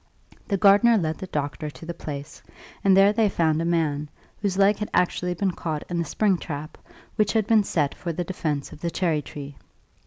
The gardener led the doctor to the place, and there they found a man, whose leg had actually been caught in the spring trap which had been set for the defence of the cherry tree.